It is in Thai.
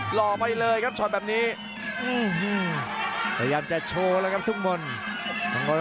หล่อไปเลยครับช็อตแบบนี้พยายามจะโชว์แล้วครับทุกคน